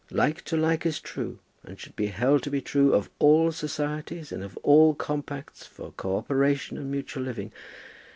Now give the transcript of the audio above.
Like to like is true, and should be held to be true, of all societies and of all compacts for co operation and mutual living.